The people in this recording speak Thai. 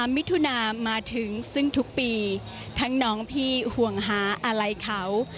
มิถุนามาถึงซึ่งทุกปีทั้งน้องพี่ห่วงหาอะไรเขา